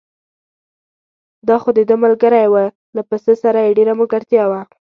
دا خو دده ملګری و، له پسه سره یې ډېره ملګرتیا وه.